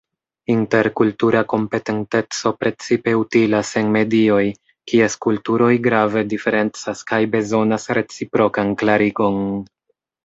Interkultura kompetenteco precipe utilas en medioj, kies kulturoj grave diferencas kaj bezonas reciprokan klarigon.